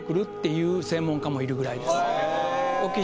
いう専門家もいるぐらいです。